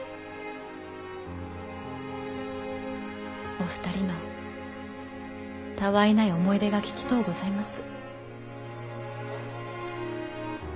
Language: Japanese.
お二人のたわいない思い出が聞きとうございます。